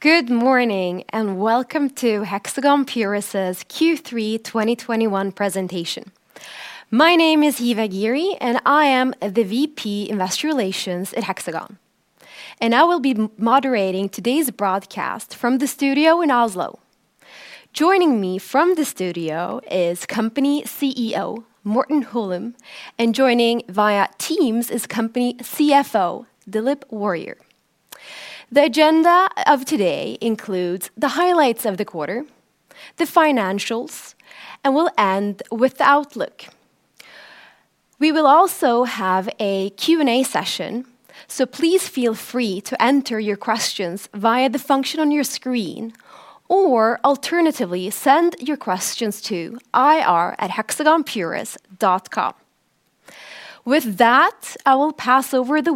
Good morning, and welcome to Hexagon Purus' Q3 2021 presentation. My name is Eva Geary, and I am the VP Investor Relations at Hexagon. I will be moderating today's broadcast from the studio in Oslo. Joining me from the studio is company CEO Morten Holum, and joining via Teams is company CFO Dilip Warrier. The agenda of today includes the highlights of the quarter, the financials, and we'll end with the outlook. We will also have a Q&A session, so please feel free to enter your questions via the function on your screen, or alternatively, send your questions to ir@hexagonpurus.com. With that, I will pass the word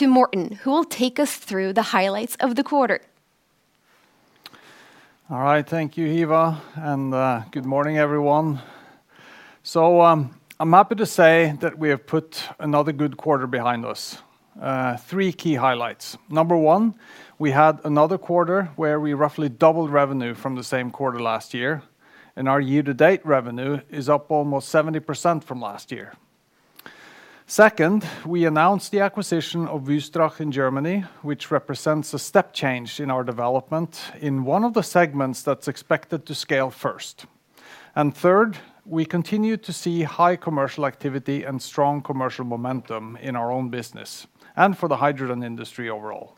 to Morten, who will take us through the highlights of the quarter. All right. Thank you, Eva, and good morning, everyone. I'm happy to say that we have put another good quarter behind us. Three key highlights. Number one, we had another quarter where we roughly doubled revenue from the same quarter last year, and our year-to-date revenue is up almost 70% from last year. Second, we announced the acquisition of Wystrach in Germany, which represents a step change in our development in one of the segments that's expected to scale first. Third, we continue to see high commercial activity and strong commercial momentum in our own business and for the hydrogen industry overall.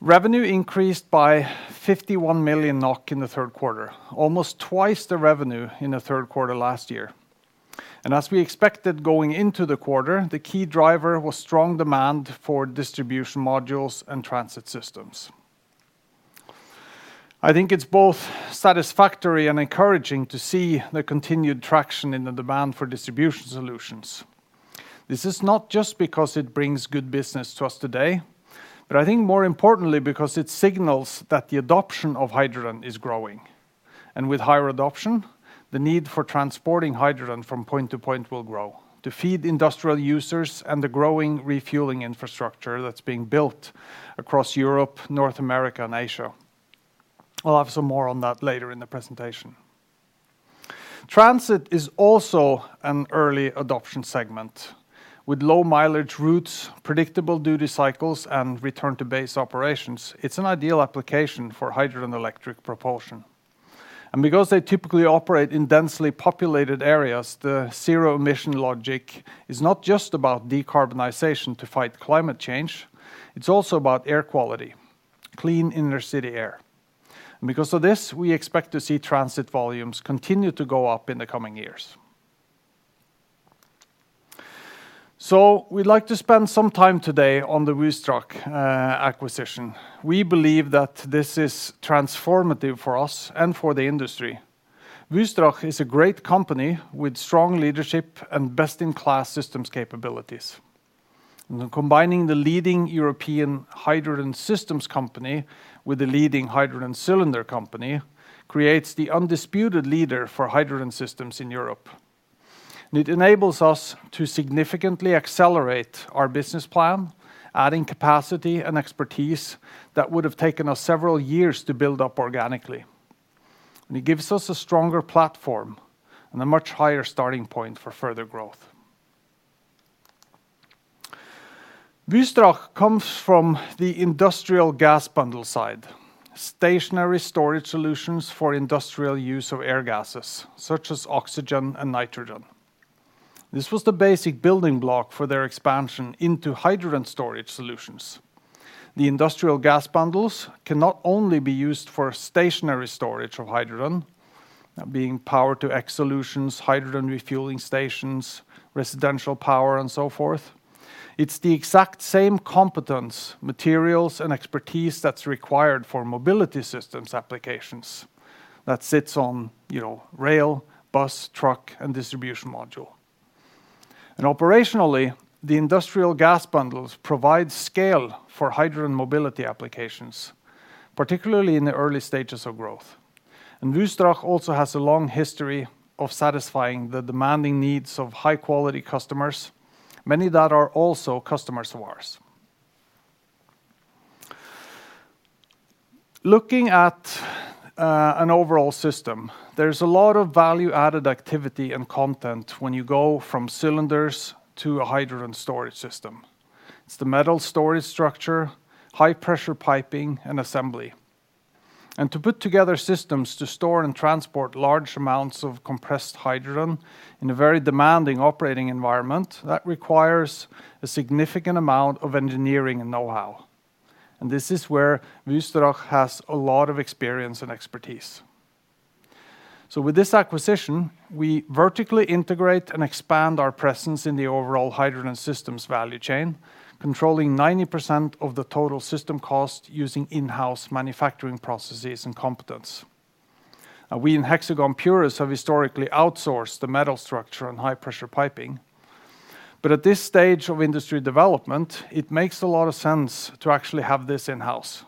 Revenue increased by 51 million NOK in the third quarter, almost twice the revenue in the third quarter last year. As we expected going into the quarter, the key driver was strong demand for distribution modules and transit systems. I think it's both satisfactory and encouraging to see the continued traction in the demand for distribution solutions. This is not just because it brings good business to us today, but I think more importantly because it signals that the adoption of hydrogen is growing. With higher adoption, the need for transporting hydrogen from point to point will grow to feed industrial users and the growing refueling infrastructure that's being built across Europe, North America, and Asia. I'll have some more on that later in the presentation. Transit is also an early adoption segment. With low mileage routes, predictable duty cycles, and return to base operations, it's an ideal application for hydrogen electric propulsion. Because they typically operate in densely populated areas, the zero emission logic is not just about decarbonization to fight climate change, it's also about air quality, clean inner city air. Because of this, we expect to see transit volumes continue to go up in the coming years. We'd like to spend some time today on the Wystrach acquisition. We believe that this is transformative for us and for the industry. Wystrach is a great company with strong leadership and best-in-class systems capabilities. Combining the leading European hydrogen systems company with the leading hydrogen cylinder company creates the undisputed leader for hydrogen systems in Europe. It enables us to significantly accelerate our business plan, adding capacity and expertise that would have taken us several years to build up organically. It gives us a stronger platform and a much higher starting point for further growth. Wystrach comes from the industrial gas business side, stationary storage solutions for industrial use of air gases, such as oxygen and nitrogen. This was the basic building block for their expansion into hydrogen storage solutions. The industrial gas bundles can not only be used for stationary storage of hydrogen, being Power-to-X solutions, hydrogen refueling stations, residential power, and so forth. It's the exact same competence, materials, and expertise that's required for mobility systems applications that sits on, you know, rail, bus, truck, and distribution module. Operationally, the industrial gas bundles provide scale for hydrogen mobility applications, particularly in the early stages of growth. Wystrach also has a long history of satisfying the demanding needs of high-quality customers, many that are also customers of ours. Looking at an overall system, there's a lot of value-added activity and content when you go from cylinders to a hydrogen storage system. It's the metal storage structure, high-pressure piping, and assembly. To put together systems to store and transport large amounts of compressed hydrogen in a very demanding operating environment, that requires a significant amount of engineering and know-how. This is where Wystrach has a lot of experience and expertise. With this acquisition, we vertically integrate and expand our presence in the overall hydrogen systems value chain, controlling 90% of the total system cost using in-house manufacturing processes and competence. We in Hexagon Purus have historically outsourced the metal structure and high pressure piping. At this stage of industry development, it makes a lot of sense to actually have this in-house.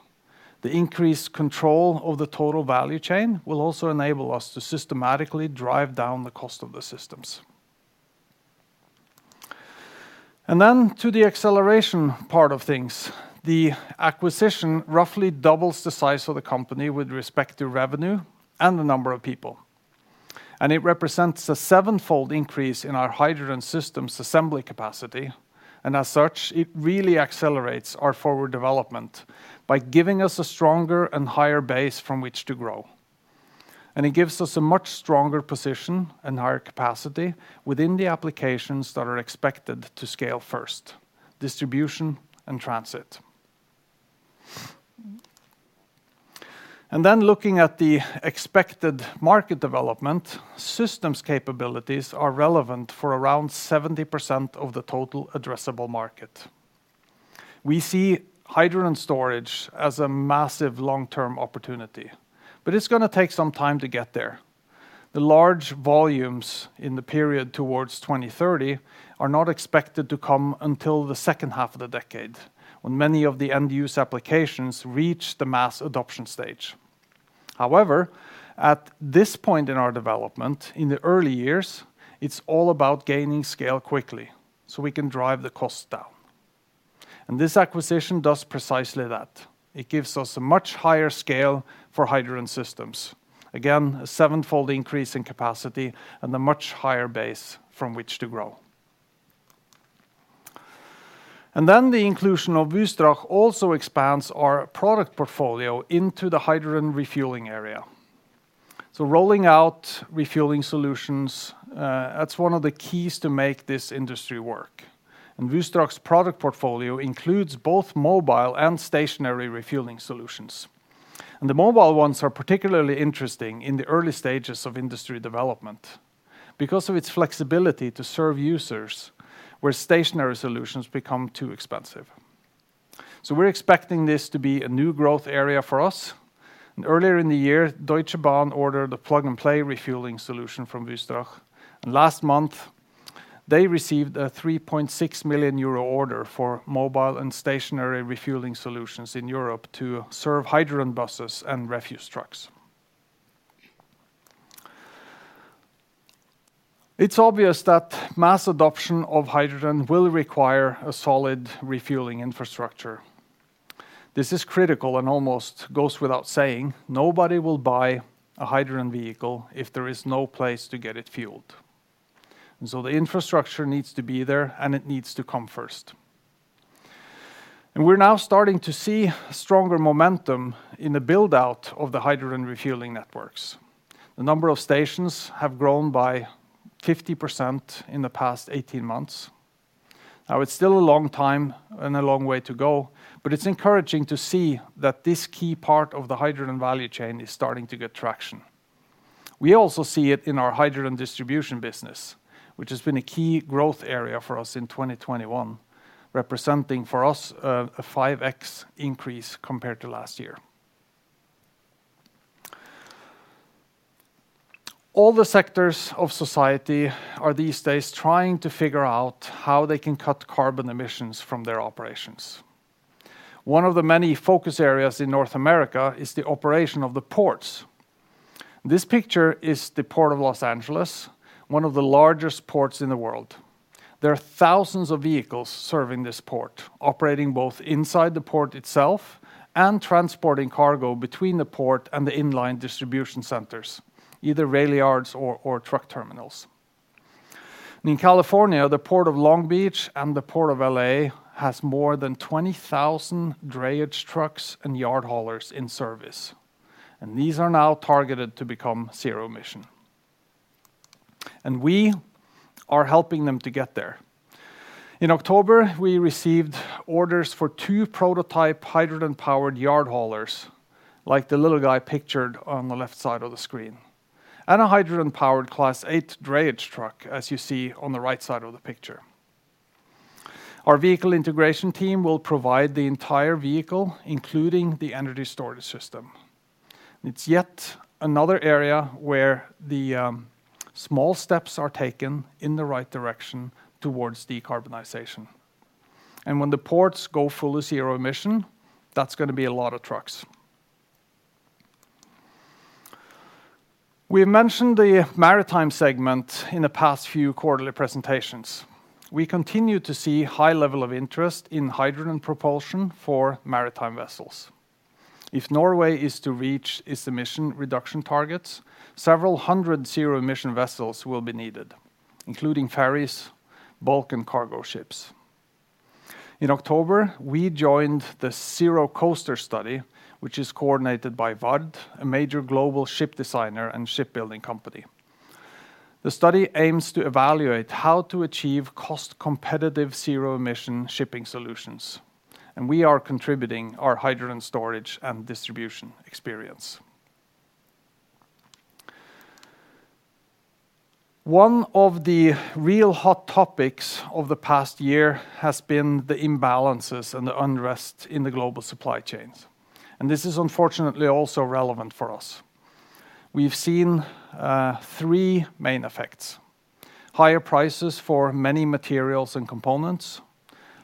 The increased control of the total value chain will also enable us to systematically drive down the cost of the systems. To the acceleration part of things, the acquisition roughly doubles the size of the company with respect to revenue and the number of people. It represents a sevenfold increase in our hydrogen systems assembly capacity, and as such, it really accelerates our forward development by giving us a stronger and higher base from which to grow. It gives us a much stronger position and higher capacity within the applications that are expected to scale first, distribution and transit. Looking at the expected market development, systems capabilities are relevant for around 70% of the total addressable market. We see hydrogen storage as a massive long-term opportunity, but it's gonna take some time to get there. The large volumes in the period towards 2030 are not expected to come until the second half of the decade, when many of the end use applications reach the mass adoption stage. However, at this point in our development, in the early years, it's all about gaining scale quickly so we can drive the cost down. This acquisition does precisely that. It gives us a much higher scale for hydrogen systems. Again, a sevenfold increase in capacity and a much higher base from which to grow. Then the inclusion of Wystrach also expands our product portfolio into the hydrogen refueling area. Rolling out refueling solutions, that's one of the keys to make this industry work. Wystrach's product portfolio includes both mobile and stationary refueling solutions. The mobile ones are particularly interesting in the early stages of industry development because of its flexibility to serve users where stationary solutions become too expensive. We're expecting this to be a new growth area for us. Earlier in the year, Deutsche Bahn ordered a plug-and-play refueling solution from Wystrach. Last month, they received a 3.6 million euro order for mobile and stationary refueling solutions in Europe to serve hydrogen buses and refuse trucks. It's obvious that mass adoption of hydrogen will require a solid refueling infrastructure. This is critical and almost goes without saying, nobody will buy a hydrogen vehicle if there is no place to get it fueled. The infrastructure needs to be there, and it needs to come first. We're now starting to see stronger momentum in the build-out of the hydrogen refueling networks. The number of stations have grown by 50% in the past 18 months. Now, it's still a long time and a long way to go, but it's encouraging to see that this key part of the hydrogen value chain is starting to get traction. We also see it in our hydrogen distribution business, which has been a key growth area for us in 2021, representing for us a 5x increase compared to last year. All the sectors of society are these days trying to figure out how they can cut carbon emissions from their operations. One of the many focus areas in North America is the operation of the ports. This picture is the Port of Los Angeles, one of the largest ports in the world. There are thousands of vehicles serving this port, operating both inside the port itself and transporting cargo between the port and the inland distribution centers, either railyards or truck terminals. In California, the Port of Long Beach and the Port of LA has more than 20,000 drayage trucks and yard haulers in service, and these are now targeted to become zero-emission. We are helping them to get there. In October, we received orders for two prototype hydrogen-powered yard haulers, like the little guy pictured on the left side of the screen, and a hydrogen-powered Class 8 drayage truck, as you see on the right side of the picture. Our vehicle integration team will provide the entire vehicle, including the energy storage system. It's yet another area where the small steps are taken in the right direction towards decarbonization. When the ports go fully zero emission, that's gonna be a lot of trucks. We mentioned the maritime segment in the past few quarterly presentations. We continue to see high level of interest in hydrogen propulsion for maritime vessels. If Norway is to reach its emission reduction targets, several hundred zero-emission vessels will be needed, including ferries, bulk, and cargo ships. In October, we joined the ZeroCoaster study, which is coordinated by VARD, a major global ship designer and shipbuilding company. The study aims to evaluate how to achieve cost-competitive zero-emission shipping solutions, and we are contributing our hydrogen storage and distribution experience. One of the real hot topics of the past year has been the imbalances and the unrest in the global supply chains, and this is unfortunately also relevant for us. We've seen three main effects. Higher prices for many materials and components,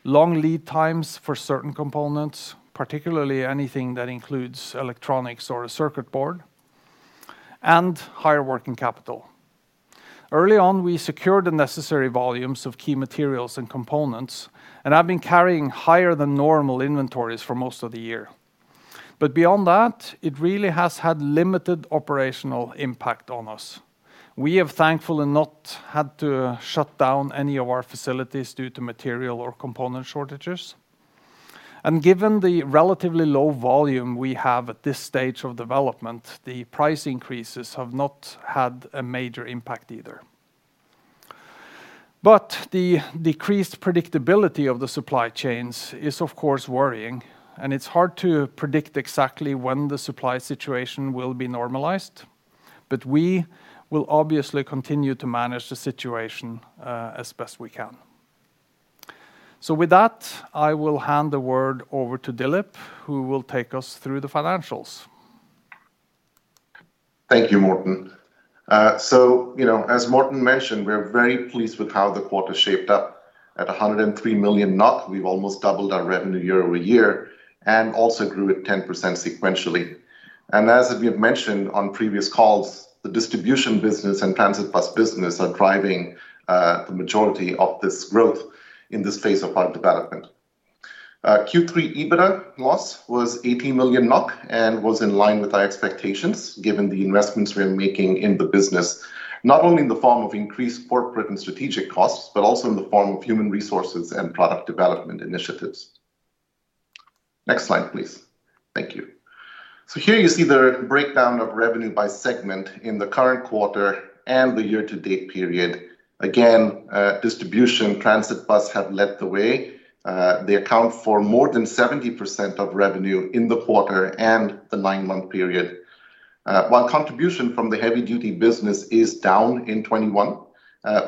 long lead times for certain components, particularly anything that includes electronics or a circuit board, and higher working capital. Early on, we secured the necessary volumes of key materials and components, and have been carrying higher than normal inventories for most of the year. Beyond that, it really has had limited operational impact on us. We have thankfully not had to shut down any of our facilities due to material or component shortages. Given the relatively low volume we have at this stage of development, the price increases have not had a major impact either. The decreased predictability of the supply chains is, of course, worrying, and it's hard to predict exactly when the supply situation will be normalized. We will obviously continue to manage the situation as best we can. With that, I will hand the word over to Dilip, who will take us through the financials. Thank you, Morten. You know, as Morten mentioned, we're very pleased with how the quarter shaped up. At 103 million, we've almost doubled our revenue year-over-year, and also grew at 10% sequentially. As we have mentioned on previous calls, the Distribution business and Transit Bus business are driving the majority of this growth in this phase of our development. Q3 EBITDA loss was 80 million NOK and was in line with our expectations, given the investments we are making in the business, not only in the form of increased corporate and strategic costs, but also in the form of human resources and product development initiatives. Next slide, please. Thank you. Here you see the breakdown of revenue by segment in the current quarter and the year-to-date period. Again, Distribution and Transit Bus have led the way. They account for more than 70% of revenue in the quarter and the nine-month period. While contribution from the Heavy Duty business is down in 2021,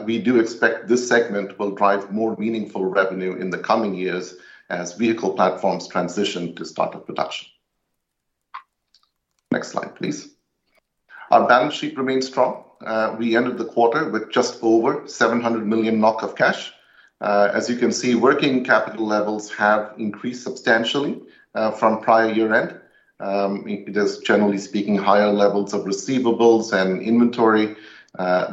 we do expect this segment will drive more meaningful revenue in the coming years as vehicle platforms transition to start of production. Next slide, please. Our balance sheet remains strong. We ended the quarter with just over 700 million NOK of cash. As you can see, working capital levels have increased substantially from prior year-end, just generally speaking, higher levels of receivables and inventory.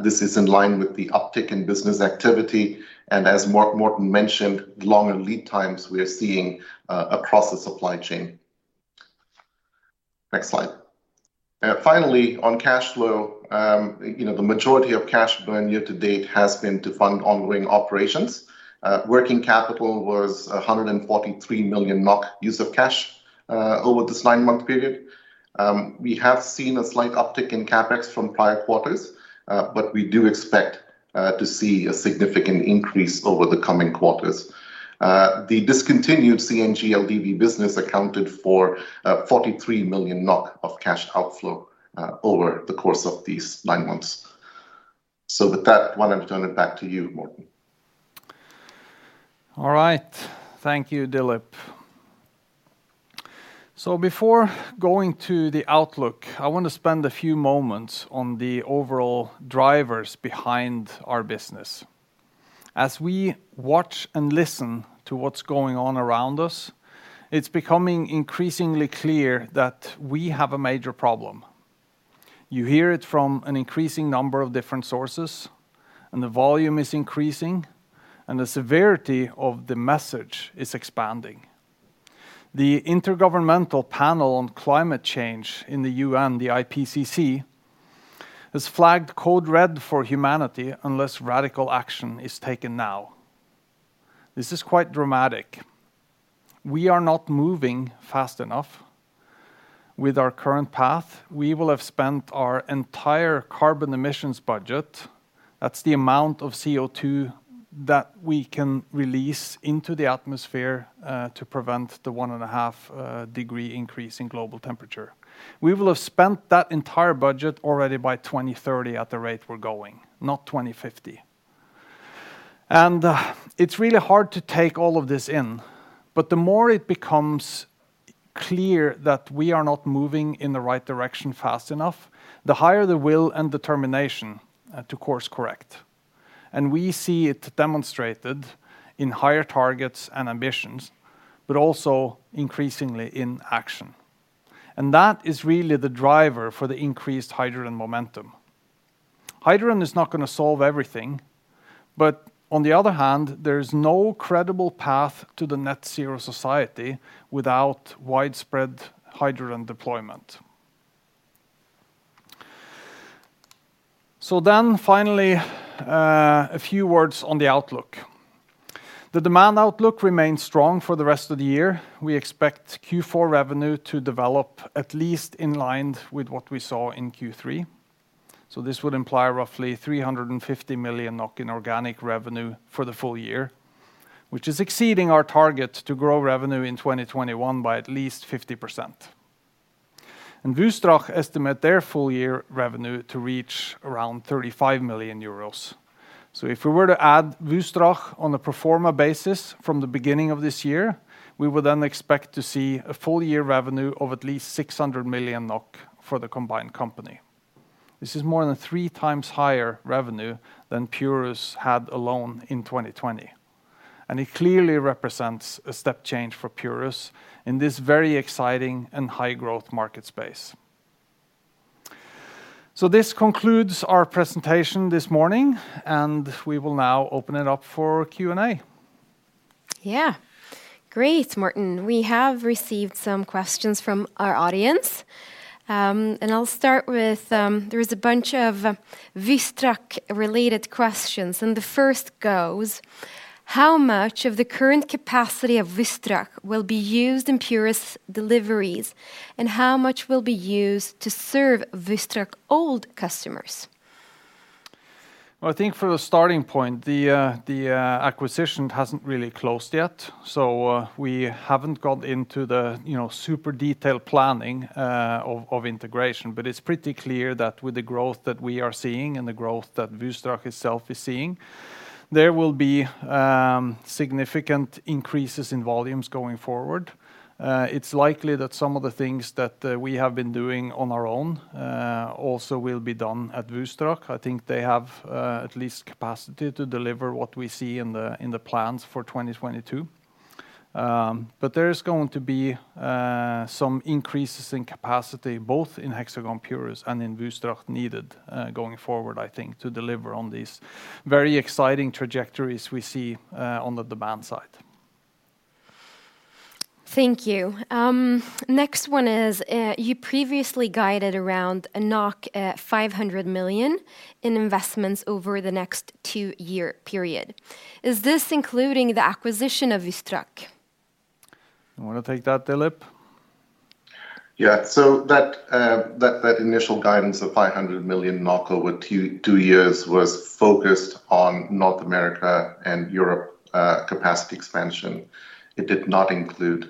This is in line with the uptick in business activity and, as Morten mentioned, longer lead times we are seeing across the supply chain. Next slide. Finally, on cash flow, you know, the majority of cash burn year to date has been to fund ongoing operations. Working capital was 143 million NOK use of cash over this nine-month period. We have seen a slight uptick in CapEx from prior quarters, but we do expect to see a significant increase over the coming quarters. The discontinued CNG LCV business accounted for 43 million NOK of cash outflow over the course of these nine months. With that, why don't I turn it back to you, Morten? All right. Thank you, Dilip. Before going to the outlook, I wanna spend a few moments on the overall drivers behind our business. As we watch and listen to what's going on around us, it's becoming increasingly clear that we have a major problem. You hear it from an increasing number of different sources, and the volume is increasing, and the severity of the message is expanding. The Intergovernmental Panel on Climate Change in the UN, the IPCC, has flagged code red for humanity unless radical action is taken now. This is quite dramatic. We are not moving fast enough. With our current path, we will have spent our entire carbon emissions budget, that's the amount of CO2 that we can release into the atmosphere, to prevent the 1.5-degree increase in global temperature. We will have spent that entire budget already by 2030 at the rate we're going, not 2050. It's really hard to take all of this in. The more it becomes clear that we are not moving in the right direction fast enough, the higher the will and determination to course correct. We see it demonstrated in higher targets and ambitions, but also increasingly in action. That is really the driver for the increased hydrogen momentum. Hydrogen is not gonna solve everything, but on the other hand, there is no credible path to the net zero society without widespread hydrogen deployment. Finally, a few words on the outlook. The demand outlook remains strong for the rest of the year. We expect Q4 revenue to develop at least in line with what we saw in Q3. This would imply roughly 350 million in organic revenue for the full year, which is exceeding our target to grow revenue in 2021 by at least 50%. Wystrach estimates their full year revenue to reach around 35 million euros. If we were to add Wystrach on a pro forma basis from the beginning of this year, we would then expect to see a full year revenue of at least 600 million NOK for the combined company. This is more than 3x higher revenue than Purus had alone in 2020, and it clearly represents a step change for Purus in this very exciting and high growth market space. This concludes our presentation this morning, and we will now open it up for Q&A. Yeah. Great, Morten. We have received some questions from our audience, and I'll start with there is a bunch of Wystrach related questions, and the first goes: how much of the current capacity of Wystrach will be used in Purus deliveries, and how much will be used to serve Wystrach old customers? Well, I think for the starting point, the acquisition hasn't really closed yet, so we haven't got into the, you know, super detailed planning of integration. It's pretty clear that with the growth that we are seeing and the growth that Wystrach itself is seeing, there will be significant increases in volumes going forward. It's likely that some of the things that we have been doing on our own also will be done at Wystrach. I think they have at least capacity to deliver what we see in the plans for 2022. There is going to be some increases in capacity both in Hexagon Purus and in Wystrach needed going forward, I think, to deliver on these very exciting trajectories we see on the demand side. Thank you. Next one is, you previously guided around 500 million in investments over the next two-year period. Is this including the acquisition of Wystrach? You wanna take that, Dilip? That initial guidance of 500 million NOK over two years was focused on North America and Europe capacity expansion. It did not include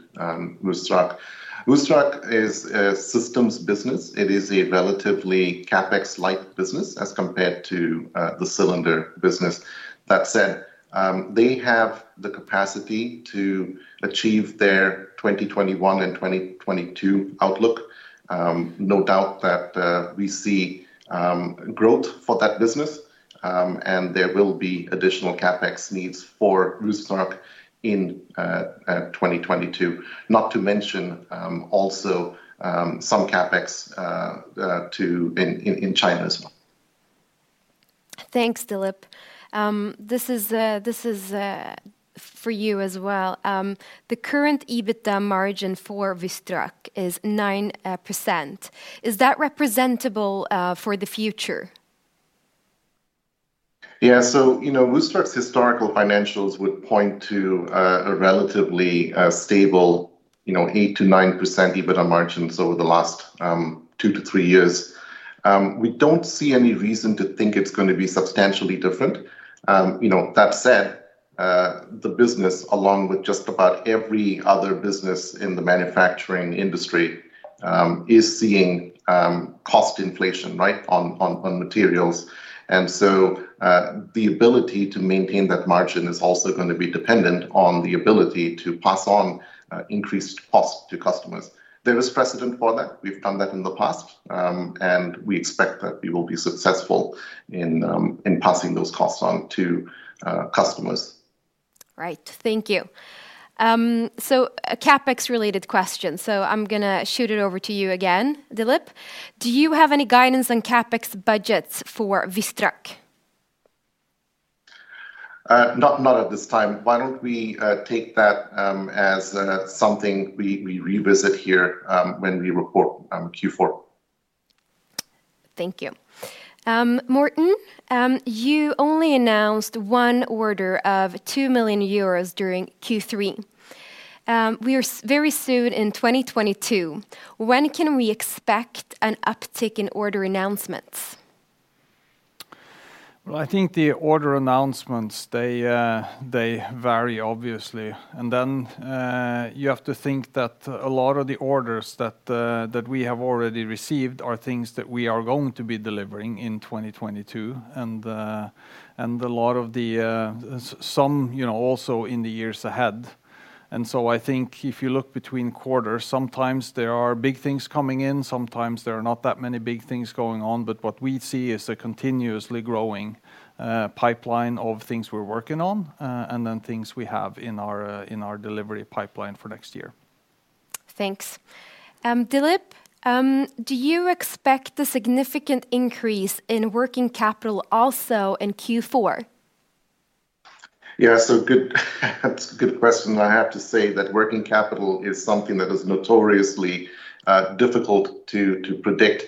Wystrach. Wystrach is a systems business. It is a relatively CapEx-like business as compared to the cylinder business. That said, they have the capacity to achieve their 2021 and 2022 outlook. No doubt that we see growth for that business, and there will be additional CapEx needs for Wystrach in 2022. Not to mention also some CapEx in China as well. Thanks, Dilip. This is for you as well. The current EBITDA margin for Wystrach is 9%. Is that representative for the future? Yeah. You know, Wystrach's historical financials would point to a relatively stable, you know, 8%-9% EBITDA margins over the last two-three years. We don't see any reason to think it's gonna be substantially different. You know, that said, the business, along with just about every other business in the manufacturing industry, is seeing cost inflation, right, on materials. The ability to maintain that margin is also gonna be dependent on the ability to pass on increased cost to customers. There is precedent for that. We've done that in the past, and we expect that we will be successful in passing those costs on to customers. Right. Thank you. A CapEx related question. I'm gonna shoot it over to you again, Dilip. Do you have any guidance on CapEx budgets for Wystrach? Not at this time. Why don't we take that as something we revisit here when we report Q4? Thank you. Morten, you only announced one order of 2 million euros during Q3. We are very soon in 2022. When can we expect an uptick in order announcements? Well, I think the order announcements, they vary obviously. You have to think that a lot of the orders that we have already received are things that we are going to be delivering in 2022 and a lot of the, some, you know, also in the years ahead. I think if you look between quarters, sometimes there are big things coming in, sometimes there are not that many big things going on. What we see is a continuously growing pipeline of things we're working on, and then things we have in our delivery pipeline for next year. Thanks. Dilip, do you expect a significant increase in working capital also in Q4? Yeah. Good, that's a good question. I have to say that working capital is something that is notoriously difficult to predict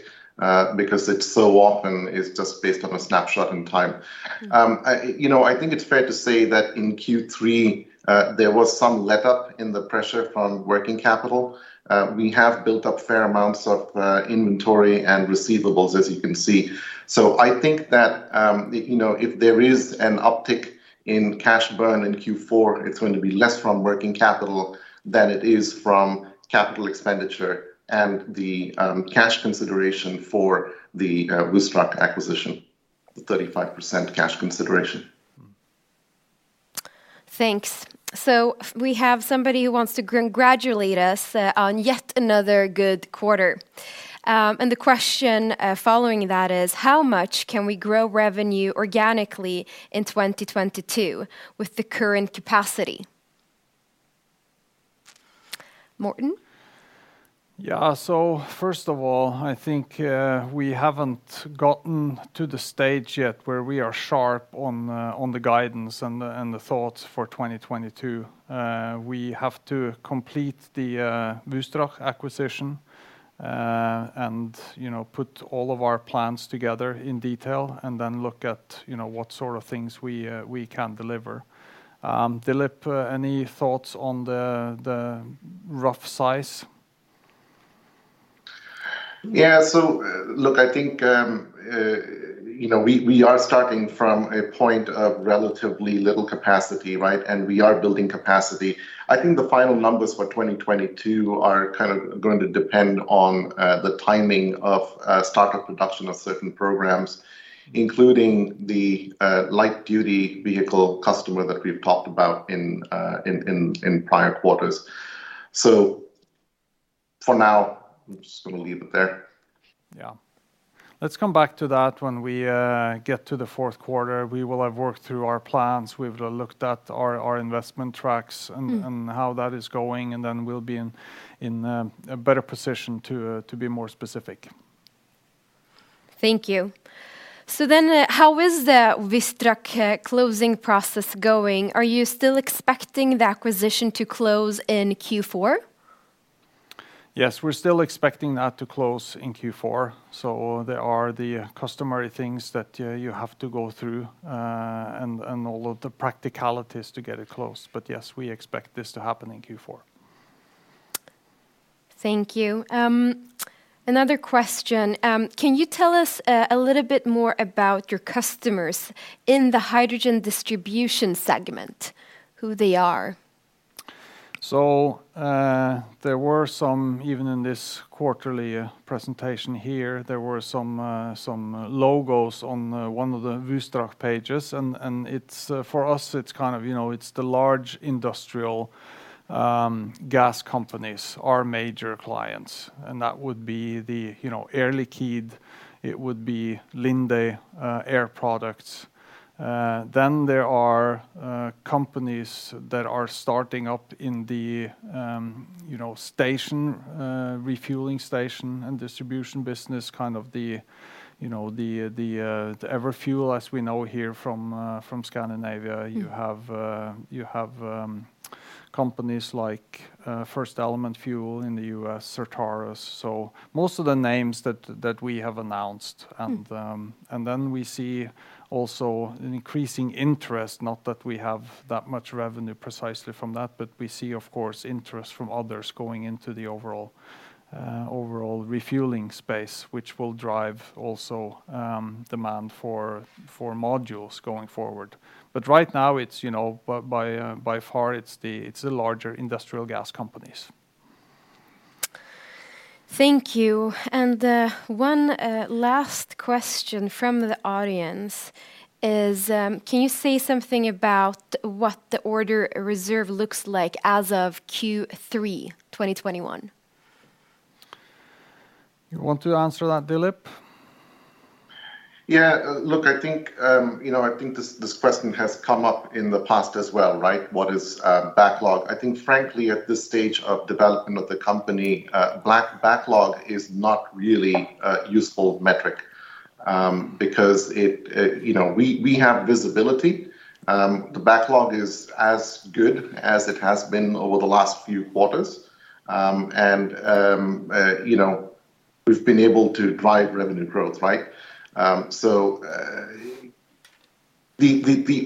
because it so often is just based on a snapshot in time. You know, I think it's fair to say that in Q3 there was some letup in the pressure from working capital. We have built up fair amounts of inventory and receivables, as you can see. I think that, you know, if there is an uptick in cash burn in Q4, it's going to be less from working capital than it is from capital expenditure and the cash consideration for the Wystrach acquisition, the 35% cash consideration. Thanks. We have somebody who wants to congratulate us on yet another good quarter. The question following that is how much can we grow revenue organically in 2022 with the current capacity? Morten? Yeah. First of all, I think we haven't gotten to the stage yet where we are sharp on the guidance and the thoughts for 2022. We have to complete the Wystrach acquisition, and you know, put all of our plans together in detail and then look at you know, what sort of things we can deliver. Dilip, any thoughts on the rough size? Yeah. Look, I think, you know, we are starting from a point of relatively little capacity, right, and we are building capacity. I think the final numbers for 2022 are kind of going to depend on the timing of startup production of certain programs, including the light-duty vehicle customer that we've talked about in prior quarters. For now, I'm just gonna leave it there. Yeah. Let's come back to that when we get to the fourth quarter. We will have worked through our plans. We would have looked at our investment tracks and how that is going, and then we'll be in a better position to be more specific. Thank you. How is the Wystrach closing process going? Are you still expecting the acquisition to close in Q4? Yes, we're still expecting that to close in Q4. There are the customary things that you have to go through, and all of the practicalities to get it closed. Yes, we expect this to happen in Q4. Thank you. Another question. Can you tell us a little bit more about your customers in the hydrogen distribution segment, who they are? Even in this quarterly presentation here, there were some logos on one of the Wystrach pages, and it's for us, it's kind of, you know, it's the large industrial gas companies are major clients, and that would be the, you know, Air Liquide, it would be Linde, Air Products. Then there are companies that are starting up in the, you know, refueling station and distribution business, kind of the, you know, the Everfuel, as we know here from Scandinavia, you have companies like FirstElement Fuel in the U.S., Certarus. Most of the names that we have announced. We see also an increasing interest, not that we have that much revenue precisely from that, but we see of course interest from others going into the overall refueling space, which will drive also demand for modules going forward. Right now it's, you know, by far, it's the larger industrial gas companies. Thank you. One last question from the audience is, can you say something about what the order reserve looks like as of Q3 2021? You want to answer that, Dilip? Yeah. Look, I think, you know, I think this question has come up in the past as well, right? What is backlog? I think frankly at this stage of development of the company, backlog is not really a useful metric, because you know, we have visibility. The backlog is as good as it has been over the last few quarters. You know, we've been able to drive revenue growth, right? The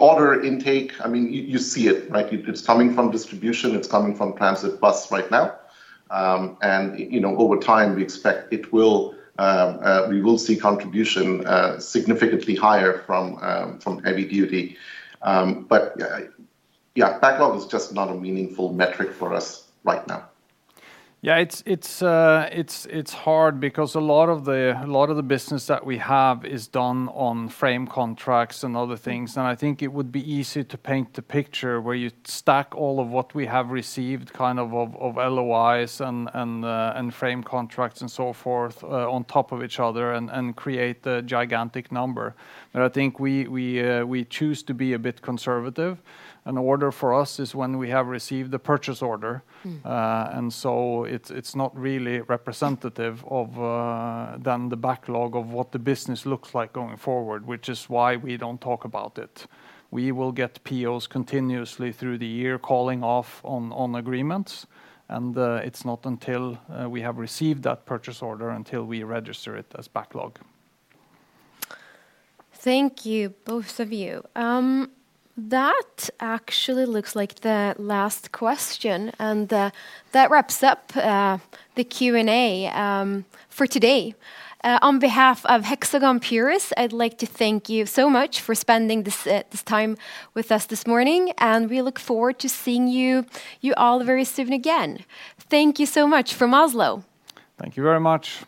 order intake, I mean, you see it, right? It's coming from distribution, it's coming from Transit Bus right now. You know, over time, we expect we will see contribution significantly higher from Heavy Duty. Yeah, backlog is just not a meaningful metric for us right now. Yeah. It's hard because a lot of the business that we have is done on frame contracts and other things, and I think it would be easy to paint the picture where you stack all of what we have received of LOIs and frame contracts and so forth on top of each other and create a gigantic number. I think we choose to be a bit conservative, and order for us is when we have received the purchase order. It's not really representative of the backlog of what the business looks like going forward, which is why we don't talk about it. We will get POs continuously through the year calling off on agreements, and it's not until we have received that purchase order until we register it as backlog. Thank you, both of you. That actually looks like the last question, and that wraps up the Q&A for today. On behalf of Hexagon Purus, I'd like to thank you so much for spending this time with us this morning, and we look forward to seeing you all very soon again. Thank you so much from Oslo. Thank you very much.